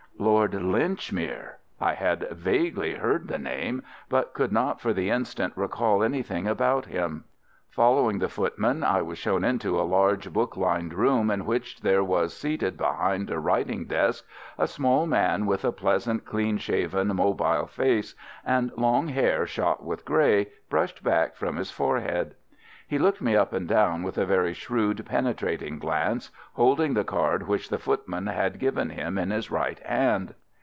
Lord Linchmere! I had vaguely heard the name, but could not for the instant recall anything about him. Following the footman, I was shown into a large, book lined room in which there was seated behind a writing desk a small man with a pleasant, clean shaven, mobile face, and long hair shot with grey, brushed back from his forehead. He looked me up and down with a very shrewd, penetrating glance, holding the card which the footman had given him in his right hand.